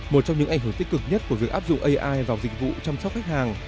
một trong những ảnh hưởng tích cực nhất của việc áp dụng ai vào dịch vụ chăm sóc khách hàng